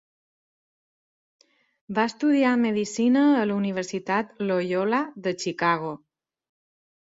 Va estudiar Medicina a la Universitat Loyola de Chicago.